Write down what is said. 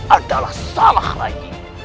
adalah salah lain